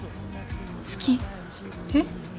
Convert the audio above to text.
好きえっ？